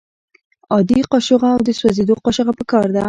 عادي قاشوغه او د سوځیدو قاشوغه پکار ده.